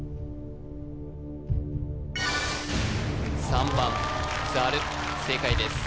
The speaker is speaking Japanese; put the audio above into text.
３番ざる正解です